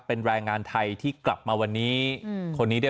เป็นแรงงานไทยที่กลับมาตอนนี้